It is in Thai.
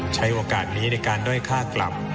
ใช้โอกาสนี้ในการด้อยค่ากลับ